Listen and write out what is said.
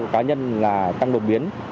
cá nhân là tăng đột biến